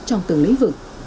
trong từng lĩnh vực